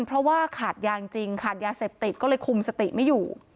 เพราะว่าขาดยางจริงขาดยาเสพติดก็เลยคุมสติไม่อยู่